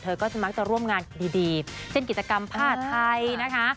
ก็จะมักจะร่วมงานดีเช่นกิจกรรมผ้าไทยนะคะ